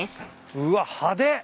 うわ派手。